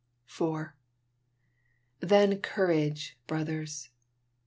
IV Then courage, brothers!